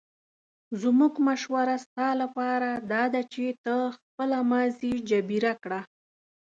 زموږ مشوره ستا لپاره داده چې ته خپله ماضي جبیره کړه.